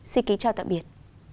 xin kính chào tạm biệt